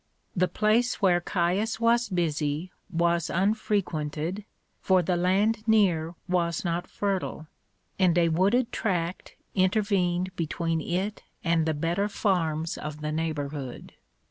The place where Caius was busy was unfrequented, for the land near was not fertile, and a wooded tract intervened between it and the better farms of the neighbourhood.